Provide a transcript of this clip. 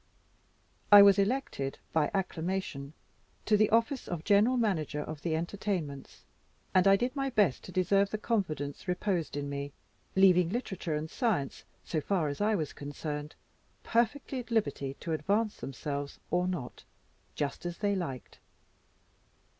I was elected by acclamation to the office of general manager of the entertainments; and I did my best to deserve the confidence reposed in me; leaving literature and science, so far as I was concerned, perfectly at liberty to advance themselves or not, just as they liked.